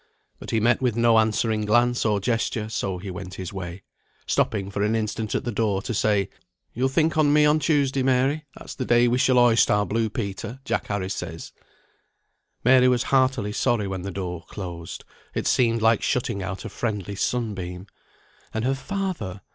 But he met with no answering glance or gesture, so he went his way, stopping for an instant at the door to say, "You'll think on me on Tuesday, Mary. That's the day we shall hoist our blue Peter, Jack Harris says." Mary was heartily sorry when the door closed; it seemed like shutting out a friendly sunbeam. And her father!